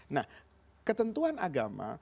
nah ketentuan agama